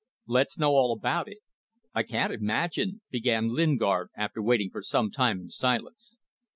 Let's know all about it. I can't imagine ..." began Lingard, after waiting for some time in silence.